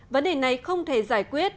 vấn đề này không thể giải quyết